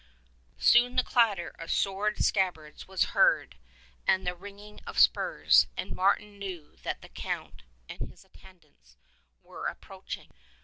Soon the clatter of sword scabbards was heard and the ringing of spurs, and Martin knew that the Count and his attendants were approaching.